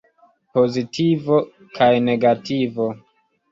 Pozitivo kaj negativo.